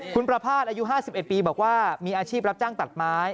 คุณประภาษณ์อายุ๕๑ปีบอกว่ามีอาชีพรับจ้างตัดไม้